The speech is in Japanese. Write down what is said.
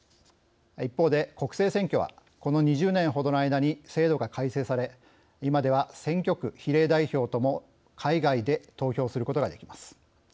一方で、国政選挙はこの２０年ほどの間に制度が改正され今では選挙区・比例代表とも海外で投票することができます。